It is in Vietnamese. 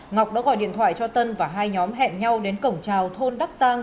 ngọc đã gọi điện thoại cho tân và hai nhóm hẹn nhau đến cổng trào thôn đắc tang